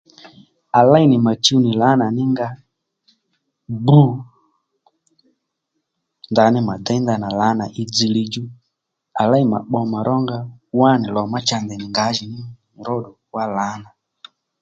À léy nì mà chuw nì lǎnà ní nga bû ndaní mà déy ndanà lǎnà í dziylíy djú à ley nì mà pbo mà rónga wánì lò má cha ndèy nì ngǎjiní róddù wá lǎní